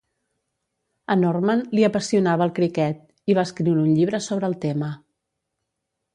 A Norman li apassionava el cricket; i va escriure un llibre sobre el tema.